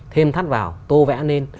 thêm thắt vào tô vẽ lên